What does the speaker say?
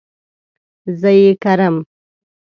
زه ئې کرم